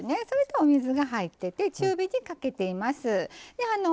それとお水が入っていて中火にかけています。